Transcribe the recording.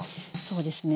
そうですね